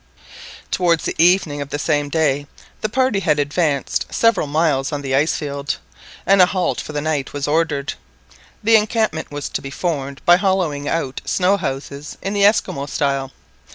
Towards the evening of the same day the party had advanced several miles on the ice field, and a halt for the night was ordered; the encampment was to be formed by hollowing out snow houses in the Esquimaux style.